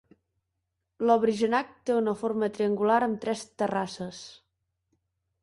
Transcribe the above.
Lovrijenac té una forma triangular amb tres terrasses.